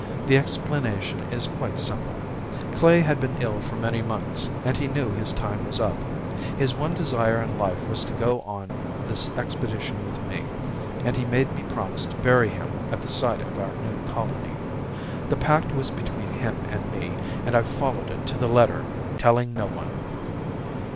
"The explanation is quite simple. Klae had been ill for many months, and he knew his time was up. His one desire in life was to go on this expedition with me, and he made me promise to bury him at the site of our new colony. The pact was between him and me, and I've followed it to the letter, telling no one."